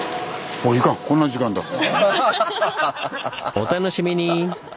お楽しみに！